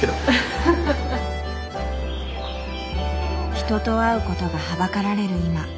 人と会うことがはばかられる今。